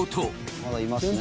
「まだいますね。